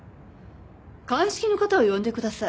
鑑識の方を呼んでください。